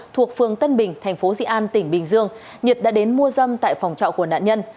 thuộc phường tân bình tp di an tỉnh bình dương nhật đã đến mua dâm tại phòng trọ của nạn nhân